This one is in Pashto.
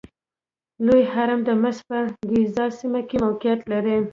لوی هرم د مصر په ګیزا سیمه کې موقعیت لري.